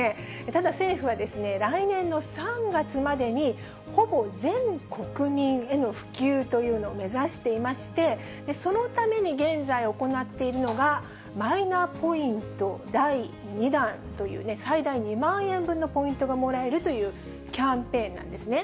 ただ、政府は来年の３月までに、ほぼ全国民への普及というのを目指していまして、そのために現在、行っているのが、マイナポイント第２弾という、最大２万円分のポイントがもらえるというキャンペーンなんですね。